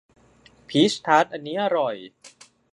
พีชทาร์ตอันนี้อร่อย